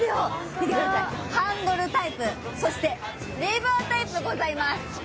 見てください、ハンドルタイプ、そしてレバータイプがございます。